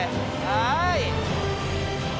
はい。